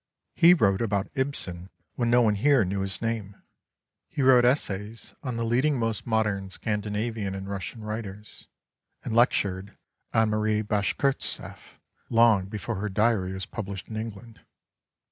He wrote about Ibsen when no one here knew his name. He wrote essays on the leading most modern Scan ginavian and Russian writers, and lectured on Marie Bashkirtseff long before her diary was published in England.